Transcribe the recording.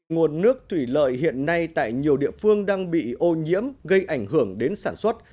nguồn nước thủy lợi hiện nay tại nhiều địa phương đang bị ô nhiễm gây ảnh hưởng đến sản xuất